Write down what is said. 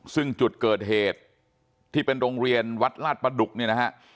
ซึ่งจุดเกิดเหตุที่เป็นโรงเรียนวัดลาดประดุกเนี่ยนะฮะ